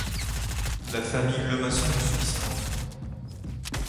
La famille Le Masson est subistante.